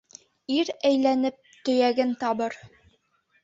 Ир әйләнеп төйәген табыр.